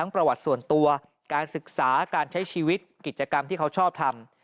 ประวัติส่วนตัวการศึกษาการใช้ชีวิตกิจกรรมที่เขาชอบทำ